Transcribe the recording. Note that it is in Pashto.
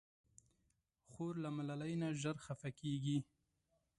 خور له ملالۍ نه ژر خفه کېږي.